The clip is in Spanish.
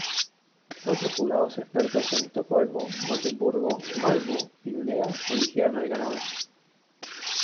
Cuatro jurados expertos en Estocolmo, Gotemburgo, Malmö y Luleå eligieron al ganador.